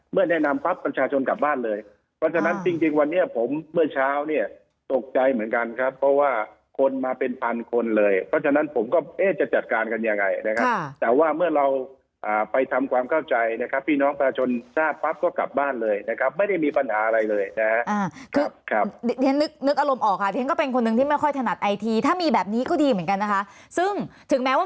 เป็นพันคนเลยเพราะฉะนั้นผมก็เอ๊ะจะจัดการกันยังไงนะครับค่ะแต่ว่าเมื่อเราอ่าไปทำความเข้าใจนะครับพี่น้องประชนชาติปั๊บก็กลับบ้านเลยนะครับไม่ได้มีปัญหาอะไรเลยนะฮะอ่าครับครับเดี๋ยวนึกนึกอารมณ์ออกค่ะเดี๋ยวก็เป็นคนนึงที่ไม่ค่อยถนัดไอทีถ้ามีแบบนี้ก็ดีเหมือนกันนะคะซึ่งถึงแม้